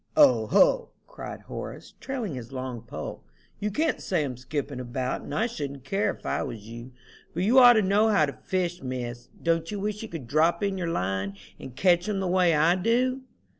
"O, ho!" cried Horace, trailing his long pole, "you can't say 'em skipping about, and I shouldn't care, if I was you. But you ought to know how to fish, Miss. Don't you wish you could drop in your line, and catch 'em the way I do?"